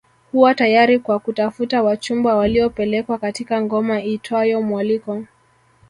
Huwa tayari kwa kutafuta wachumba waliopelekwa katika ngoma iitwayo mwaliko